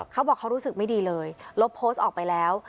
เขาบอกเขารู้สึกไม่ดีเลยลบโพสต์ออกไปแล้ว